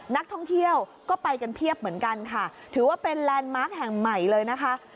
นักท่องเที่ยวก็ไปกันเพียบเหมือนกันค่ะถือว่าเป็นแลนด์มาร์คแห่งใหม่เลยนะคะ